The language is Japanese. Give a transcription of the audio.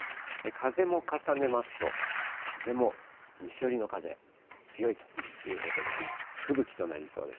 風も重ねますと、風も西寄りの風、強いということで、吹雪となりそうです。